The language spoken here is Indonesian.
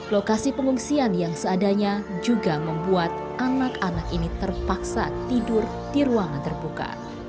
lokasi pengungsian yang seadanya juga membuat anak anak ini terpaksa tidur di ruangan terbuka